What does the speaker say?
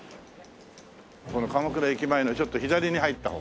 この鎌倉駅前のちょっと左に入った方。